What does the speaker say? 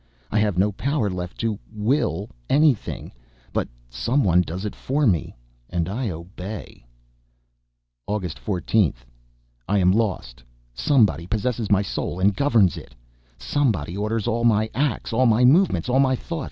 I have no power left to will anything, but someone does it for me and I obey. August 14th. I am lost! Somebody possesses my soul and governs it! Somebody orders all my acts, all my movements, all my thoughts.